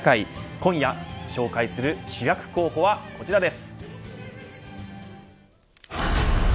今夜紹介する主役候補はこちらです。